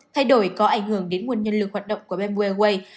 thay đổi có ảnh hưởng đến nguồn nhân lực hoạt động của bamboo airways